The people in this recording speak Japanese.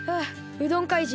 うどん怪人